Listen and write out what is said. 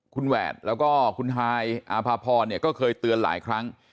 คุณแหวดแล้วก็คุณฮายอาภาพรเนี่ยก็เคยเตือนหลายครั้ง